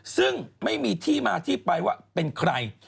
ซึ่งไม่มีที่มาที่ไปว่าเป็นใคร